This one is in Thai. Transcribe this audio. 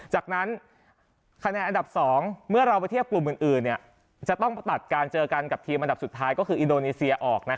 จากนั้นคะแนนอันดับ๒เมื่อเราไปเทียบกลุ่มอื่นจะต้องตัดการเจอกันกับทีมอันดับสุดท้ายก็คืออินโดนีเซียออก